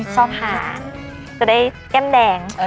ชอบหาแก้มแดง